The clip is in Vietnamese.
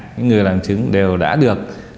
những người làm chứng đều đã được